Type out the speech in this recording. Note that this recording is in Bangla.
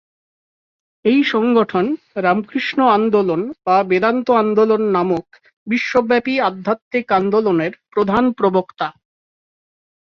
এই সংগঠন রামকৃষ্ণ আন্দোলন বা বেদান্ত আন্দোলন নামক বিশ্বব্যাপী আধ্যাত্মিক আন্দোলনের প্রধান প্রবক্তা।